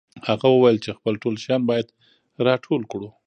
هغه وویل چې خپل ټول شیان باید راټول کړو